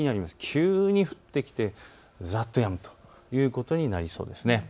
急に降ってきてざっとやむということになりそうです。